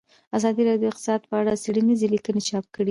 ازادي راډیو د اقتصاد په اړه څېړنیزې لیکنې چاپ کړي.